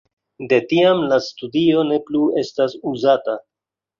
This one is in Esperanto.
De tiam la studio ne plu estas uzata.